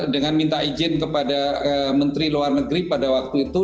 dengan minta izin kepada menteri luar negeri pada waktu itu